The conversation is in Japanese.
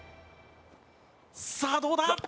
さあどうだ？